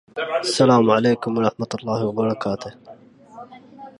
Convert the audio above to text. ظن قومي أن الأساة ستبري داء